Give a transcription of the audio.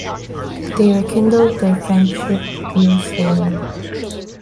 They rekindled their friendship years later.